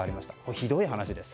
ひどい話です。